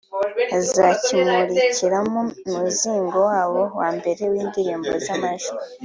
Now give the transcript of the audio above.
bazakimurikiramo umuzingo wabo wa mbere w’indirimbo z’amajwi